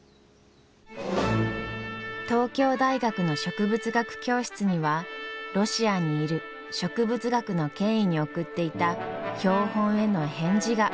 東京大学の植物学教室にはロシアにいる植物学の権威に送っていた標本への返事が届きました。